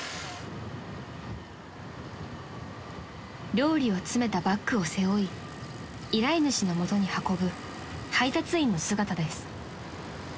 ［料理を詰めたバッグを背負い依頼主の元に運ぶ配達員の姿です］